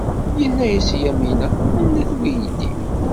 Yenna-as i Yamina anda-t weydi.